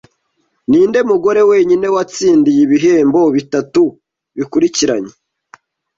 Ninde mugore wenyine watsindiye ibikombe bitatu bikurikiranye